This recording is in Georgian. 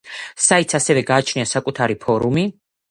საიტს ასევე გააჩნია საკუთარი ფორუმი.